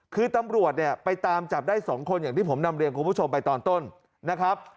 คือตำรวจเนี่ยไปตามจับได้๒คนอย่างที่ผมนำเรียนคุณผู้ชมไปตอนต้นนะครับ